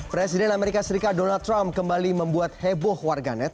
presiden amerika serikat donald trump kembali membuat heboh warganet